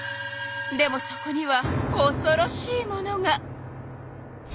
でもそこにはおそろしいものが！